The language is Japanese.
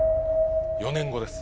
４年後です。